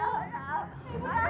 kamu aje aje di rumah